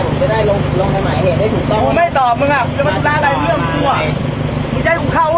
ตกอะไรงั้นเข้าไว้เข้ากูจะจอดตรงนี้